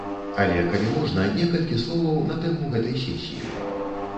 Але, калі можна, некалькі словаў на тэму гэтай сесіі.